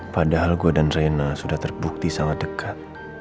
padahal gue dan rena sudah terbukti sangat dekat